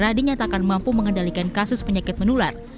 karena dinyatakan mampu mengendalikan kasus penyakit menular